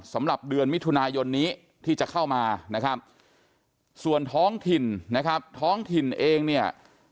สำหรับเดือนมิถุนายนนี้ที่จะเข้ามานะครับส่วนท้องถิ่นนะครับท้องถิ่นเองเนี่ย